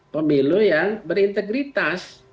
pemilu yang berintegritas